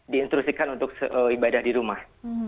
diinstrusikan untuk ibadah di rumah